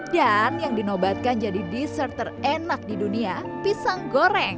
dan yang dinobatkan jadi dessert terenak di dunia pisang goreng